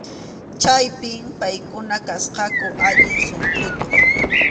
Chaypi paykuna kasqaku allin sunquyuq.